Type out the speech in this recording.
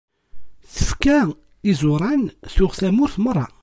Tefka iẓuran, tuɣ tamurt merra!